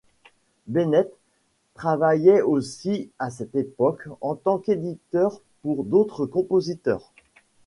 Bennett travaillait aussi à cette époque en tant qu'éditeur pour d'autres compositeurs.